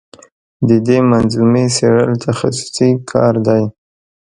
د دې منظومې څېړل تخصصي کار دی.